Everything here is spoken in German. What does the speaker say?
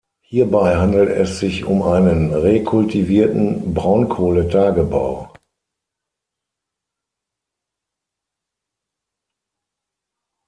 Hierbei handelt es sich um einen rekultivierten Braunkohletagebau.